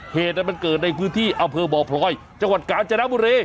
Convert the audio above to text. เหตุนั้นมันเกิดในพื้นที่เอาเพลิงบอกพร้อยจังหวัดกาลเจน้าบุรี